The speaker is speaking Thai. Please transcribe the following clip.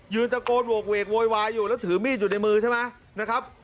ตะโกนโหกเวกโวยวายอยู่แล้วถือมีดอยู่ในมือใช่ไหมนะครับ